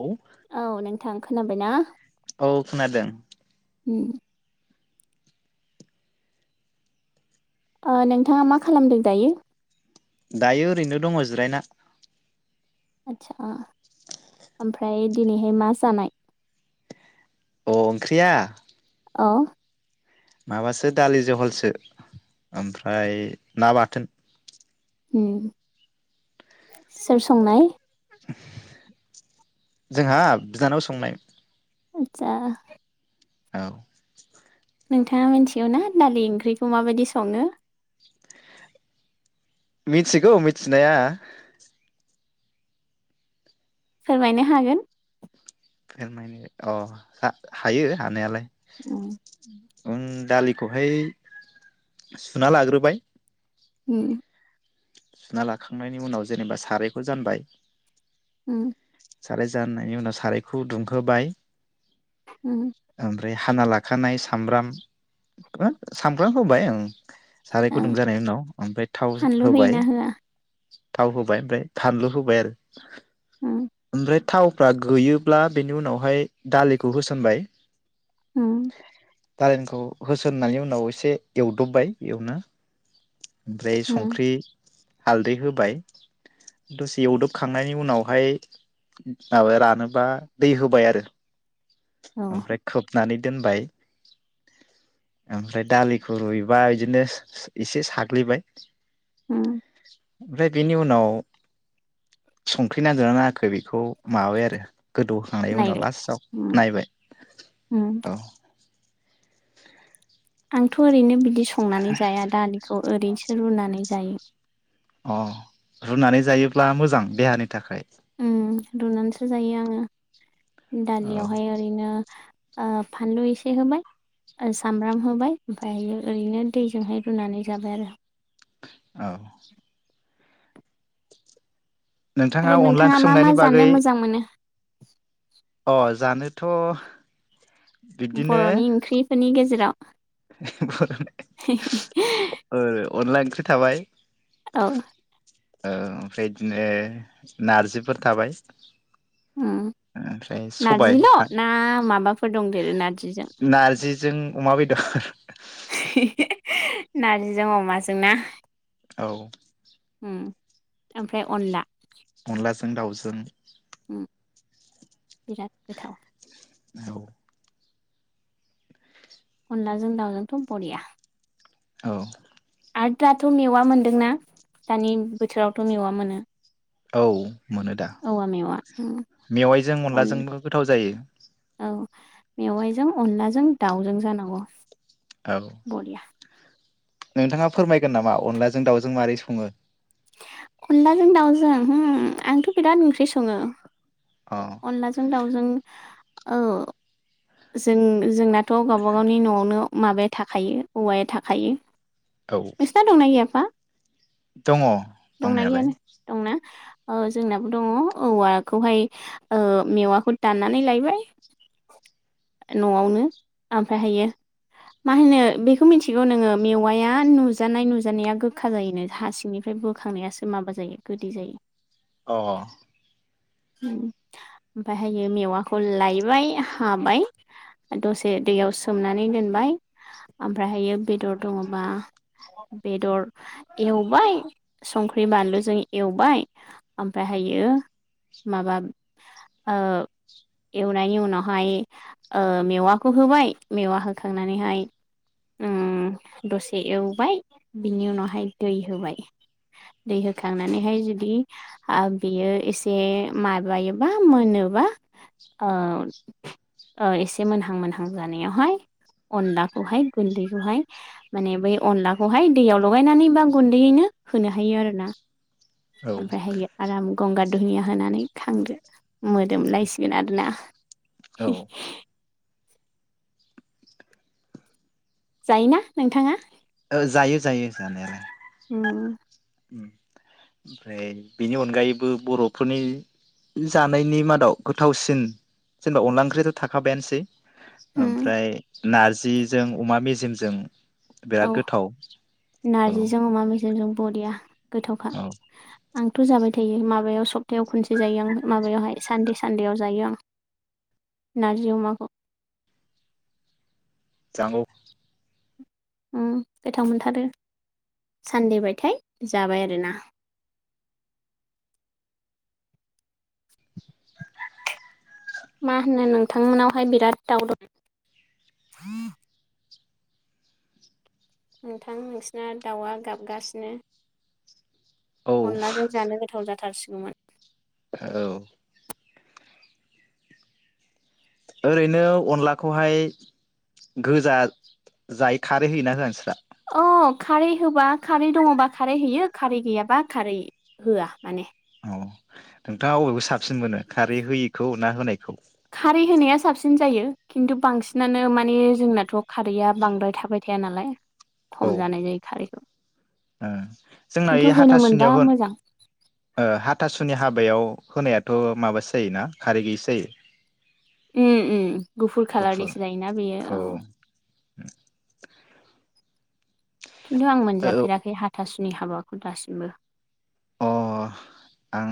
औ औ नोंथां खोनाबायना? औ खोनादों उम ओ नोंथाङा मा खालामदों दायो? दायो ओरैनो दङ जिरायना आस्सा! ओमफ्राय दिनैहाय मा जानाय? अ ओंख्रिया अ माबासो दालि जहलसो ओमफ्राय ना बाथोन उम सोर संनाय? जोंहा बिनानाव संनाय आतसा ओं नोंथाङा मिथिगौ ना दालि ओंख्रिखौ माबायदि सङो मिथिगौ मिथिनाया फोरमायनो हागोन फोरमायनो अ हा-हायो हानायालाय उम उम दालि खौहाय सुना लाग्रोबाय। उम सुना लाखांनायनि उनाव जेनेबा सारायखौ जानबाय औ [unintelligible] साराय जाननायनि उनाव सारायखौ दुंहोबाय ओमफ्राय हाना लाग खानाय सामब्राम सामब्राम होबाय ओं साराय ओ गुदुं जानाय उनाव ओमफ्राय थाव फानलु होबाय होयोना होआ? थाव होबाय ओमफ्राय फानलु होबाय आरो उम ओमफ्राय थावफ्रा गैयोब्ला बेनि उनावहाय दालिखौ होसनबाय उम दारेनखौ होसोननानै उनाव एसे एवदबबाय एवनो ओमफ्राय उम संख्रि हालदै हो बाय दसे एवदबखांनायनि उनावहाय माबाया रानोबा दै होबाय आरो औ ओमफ्राय खोबनानै दोनबाय ओमफ्राय दालिखौ रुइबा इदिनो एसे साग्लिबाय। उम ओमफ्राय बेनि उनाव संख्रि नांदो ना नाङाखै बे बेखौ माबाबाय आरो गोदौखांनायनि उनाव नायबाय लासाव उम नायबाय उम औ आंथ ओरैनो बिदि दि संनानै जाया दालिखौ ओरैनो रुनानै जायो अह रुनानै जायोब्ला मोजां देहानि थाखाय उम रुनानैसो जायो आङो औ दालियावहाय ओरैनो ओ फानलु एसे होबाय ओ सामब्राम होबाय ओमफाय ओरैनो दैजोंहाय रुनानै जाबाय आरो। औ आरो अनला नोंथाङा ओंख्रि मा मा संनायनि जानो बागै मोजां मोनो [inaudible] अ जानोथ बिब्दिनो बरनि ओंख्रिफोरनि गेजेराव ओ [unintelligible] अनला ओंख्रि थाबाय औ ओ ओमफ्राय बिदिनो नारजिफोर थाबाय ओम ओमफ्राय सबाय नारजिल ना माबाफोर दंदेरो नारजिजों? नारजिजों अमा बेदर [unintelligible] नारजिजों अमाजों ना औ ओम आमफ्राय अनला अनला जों दाउजों बिराद गोथाव [unintelligible] अनलाजों दाउजोंथ बरिया औ आरो दाथ मेवा मोनदोंना दानि बोथोरावथ मेवा मोनो औ मोनो दा औवा मेवा उम मेवाइजों अन अनलाजोंबो गोथाव जायो औ मेवाइजों अनलाजों दाउजों जानांगौ औ बरिया नोंथाङा फोरमायगोन नामा अनलाजों दाउजों मारै सङो? अनलाजों दाउजों होम आंथ बिराद ओंख्रि बे सङो अ अनलाजों दाउ जों औ जों-जोंनाथ गावबा गावनि नआवनो माबाया थाखायो औवाया थाखायो औ नोंसिनाव दंना गैया आफा दङ दंनायालाय दंना औ जोंनाबो दङ औवाखौहाय मेवाखौ दाननानै लायबाय नआवनो ओमफ्रायहायो मा होनो बेखौ मिथिगौ नोङो मेवाया नुजानाय नुजानाया गोखा जायोनो हा सिंनिफ्राय बोखांनायासो माबा जायो गोदै जायो अ ओम आमफायहायो मेवाखौ लायबाय हाबाय दसे दैयाव सोमनानै दोनबाय ओमफ्रायहायो बेदर दङबा बेदर एवबाय संख्रि बानलुजों एवबाय ओमफ्रायहायो माबा ओ एवनायनि उनावहाय ओ मेवाखौ होबाय मेवा होखांनानैहाय उम दसे एवबाय बिनि उनावहाय दै होबाय दै होखांनानैहाय जुदि ओ बेयो एसे माबायोबा मोनोबा ओ एसे मोनहां मोनहां जानायावहाय अनलाखौहाय गुन्दैखौहाय माने बै अनलाखौहाय दैयाव लगायनानै बा गुन्दैयैनो होनो हायो आरोना औ ओमफ्रायहायो आराम गंगार दुनिया होनानै थांदो मोदोमलायसिगोन आरोना औ हि जायोना नोंथाङा? औ जायो जायो जानायालाय उम [unintelligible] ओमफ्राय बेनि अनगायैबो बरफोरनि जानायनि मादाव गोथावसिन जेनेबा अनला ओंख्रियाथ थाखाबायानोसै उम ओमफ्राय नारजिजों अमा मेजेमजों औ बिराद गोथाव औ नारजिजों अमा मेजेमजों बरिया गोथावखा औ आंथ जाबाय थायो माबायाव सप्तायाव खनसे जायो आं माबायावहाय सानदे सानदेआव जायो आं नारजि अमाखौ जांगौ उम गोथाव मोनथारो सानदेबथाय जाबाय आरोना मा होनो नोंथांमोनावहाय बिराद दावराव नोंथां नोंसिना दाउआ गाबगासिनो औ अनलाजों जानो गोथाव जाथों थारसिगौमोन औ ओरैनो अनलाखौहाय गोजा जाय खारै होयोना होआ नोंसोरहा अ खारै होबा खारै दङबा खारै होयो खारै गैयाबा खारै होआ माने औ नोंथाङा अबेखो साबसिन मोनो खारै होयिखौ ना होनायखौ खारै होनाया साबसिन जायो खिन्थु बांसिनानो माने जोंनाथ' खारैया बांद्राय थाबाय थाया नालाय ओ खम जानाय जायो खारैखौ औ जोंना खिन्थु ऐ होनो मोनबा हाथासुनियाव होन मोजां हाथासुनि हाबायाव होनायाथ माबासो जायोना खारै गैयिसो जायो ओम उम गुफुर खाालारनिसो जायोना बेयो औ खिन्थु आं औ मोनजाफेराखै हाथासु नि हाबाखौ दासिमबो अ आं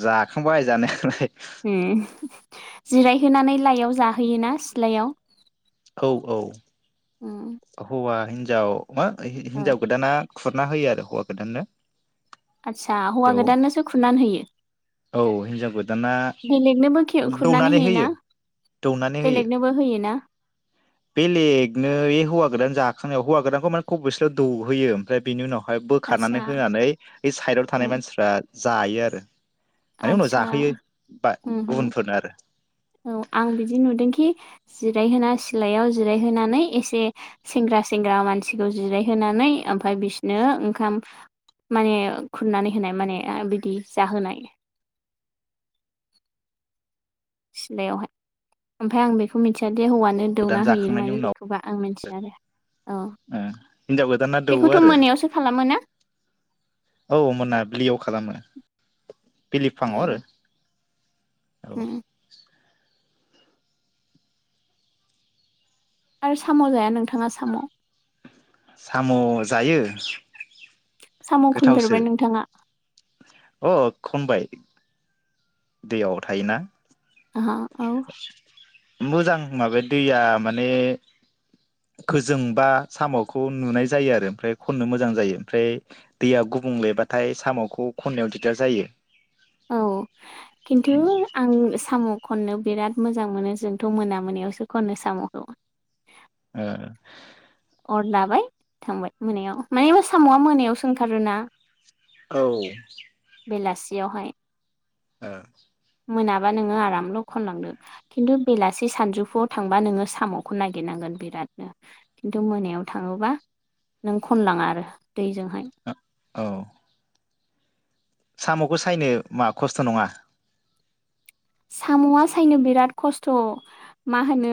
जाखांबाय जानायालाय ओम जिरायहोनानै लाइआव जाहोयोना सिथ्लायाव औ औ ओ हौवा हिनजाव मा औ हि-हिन्जाव गोदाना खुरना होयो आरो हौवा गोदाननो आदसा हौवा बेयाव गोदाननोसो खुरनान होयो औ हिनजाव गोदाना बेलेगनोबो खे-खुरनानै दौनानै होयोना होयो बेलेगनोबो होयो ना बेलेगनो बे हौवा गोदान जाखांनाव हौवा गोदानखौ माने खबसेल दौहोयो ओमफ्राय बेनि उनाव हाय बोखारनानै आदसा होनानै ए साइडआव थानाय उम मानसिफ्रा जायो आरो माने उनाव आदसा जाहोयो बा उम उम गुबुनफोरनो आरो औ आं बिदि नुदोंखि जिरायहोना सिलायाव जिरायहोनानै एसे सेंग्रा सेंग्रा मानसिखौ जिरायहोनानै ओमफाय बिसनो ओंखाम माने खुरनानै होनाय माने बिदि जाहोनाय सिलायावहाय ओमफाय आं बेखौ मिथिया बे हौवानो गोदान दौना होयो जाखांनायनि मायो उनाव बेखौबा आं मिन्थिया आरो औ ओ हिनजाव गोदाना दौवो बेखौथ आरो मोनायावसो खालामो ना औ मोनाब्लियाव खालामो बिलिफाङाव उम आरो औ उम आरो साम जाया नोंथाङा साम साम जायो साम गोथावसो खनफेरबाय नोंथाङा अ खनबाय दैयाव थायोना आहा औ मोजां माबाया दैया माने गोजोंबा सामखौ नुनाय जायो आरो ओमफ्राय खननो मोजां जायो ओमफ्राय दैया गुबुंलेबाथाय सामखौ खननायाव दिगदार जायो औ खिन्थु आं साम खननो बिराद मोजां मोनो जोंथ मोना मोनायावसो खनो सामखौ ओ अर लाबाय थांबाय मोनायाव मानो होनबा सामआ मोनायावसो ओंखारोना औ बेलासियावहाय ओ मोनाबा नोङो आरामल खनलांदो खिन्थु बेलासि सानजौफुआव थांबा नोङो सामखौ नागिरनांगोन बिरादनो खिन्थु मोनायाव थाङोबा नों खनलां आरो दैजोंहाय ओ औ सामखौ सायनो मा खस्थ नङा सामआ सायनो बिराद खस्थ मा होनो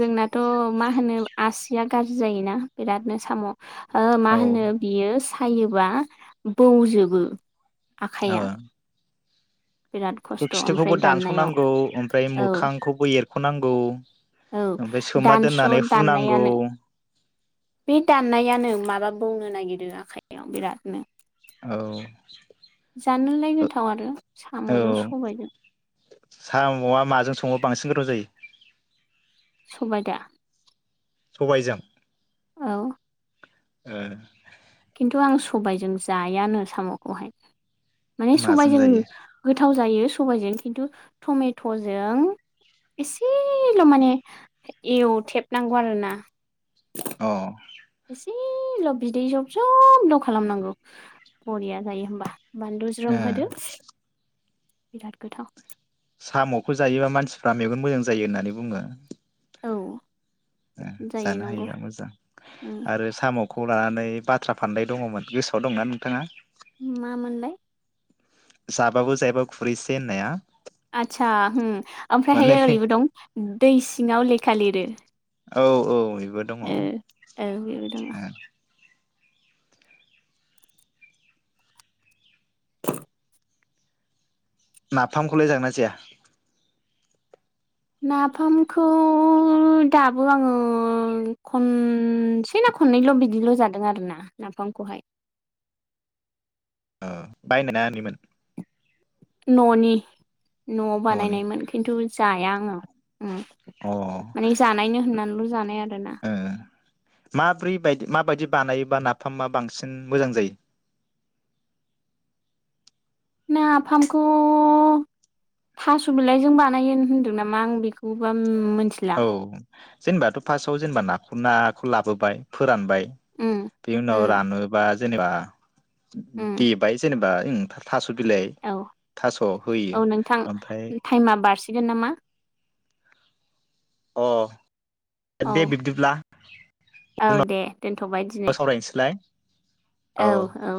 जोंनाथ मा होनो आसिया गाज्रि जायोना बिरादनो साम ओ मा औ होनो बियो फायोबा बौजोबो आखाइया बिराद खस्थ' ओमफ्राय खिथोखौबो दाननायाव दानसनांगौ ओमफ्राय औ मोखांखौबो एर खनांगौ औ दानस दाननायानो बे दाननायानो माबा बौनो नागिरो आखाइयाव बिरादनो औ जानोलाय गोथाव आरो औ सामजो सबाइजो बा बांसिन गोथाव जायो सबाइदा सबाइजों ओह खिन्थु आं सबाइजों जायानो सामखौहाय माने माजों समबाइजों जायो गोथाव जायो सबाइजों खिन्थु टमेटजों एसेल माने एवथेबनांगौ आरोना अ एसेल बिदै जब जब ल खालामनांगौ बरिया जायो होमबा बानलु ज्रोम होदो बिराद गोथाव सामखौ जायोबा मानसिफ्रा मेगन मोजां जायो होननानै बुङो औ ओ जायो जानो नंगौ हायोबा मोजां उम आरो साम खौ लानानै बाथ्रा फानदाय दङमोन गोसोआव दंना नोंथाङा मामोनलाय जाबाबो जायाबाबो खुरैसे होननाया आतसा होम आमफ्रायहाय माने ओरैबो दं दै सिङाव लेखा लिरो औ औ बो दङ ओ ओम औ बेबो दङ नाफामखौलाय जागोना जाया नाफामखौ दाबो आङो खनसे ना खननैल बिदिल जादों आरोना नाफामखौहाय ओ बायनो [unintelligible] ना ननिमोन ननि नआव न'नि बानायनायमोन खिन्थु जाया आं औ उम अ ओ माने जानायनो होननानैल जानाय आरोना माब्रै बदि माबायदि बानायबा नाफामा बांसिन मोजां जायो? नाफामखौ थास' बिलाइजों बानायो होनदों नामा आं बेखौबा मिथिला औ जेनेबाथ फार्स्टआव जेनेबा नाखौ नाखौ लाबोबाय फोरानबाय उम बे उनाव उम रानोबा जेनेबा [unintelligible] उम [unintelligible] औ थास' होयो औ नोंथां ओमफ्राय टाइमा बारसिगोन नामा? अ औ दे बिब्दिब्ला [unintelligible] औ दे दोनथबाय दिनै। उनाव सावरायनोसैलाय औ औ